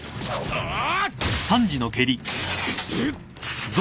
ああ。